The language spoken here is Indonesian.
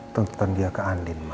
tentang dia ke andin ma